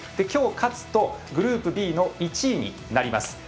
きょう、勝つと、グループＢの１位になります。